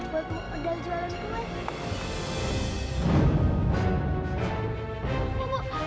baik pak udah jualan dulu ya